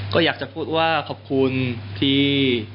ก็อยากจะพูดว่าขอบคุณที่